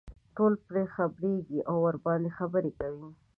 ټول پرې خبرېږي او ورباندې خبرې کوي.